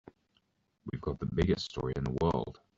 We've got the biggest story in the world.